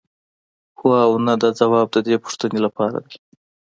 هو او نه دا ځواب د دې پوښتنې لپاره دی.